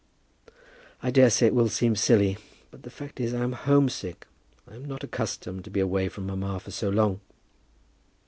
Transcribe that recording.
"I daresay it will seem silly, but the fact is I am homesick. I'm not accustomed to be away from mamma for so long."